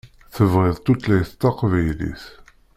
Tebɣiḍ tutlayt taqbaylit.